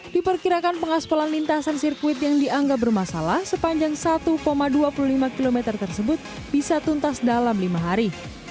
diperkirakan pengaspalan lintasan sirkuit yang dianggap bermasalah sepanjang satu dua puluh lima km tersebut bisa tuntas dalam lima hari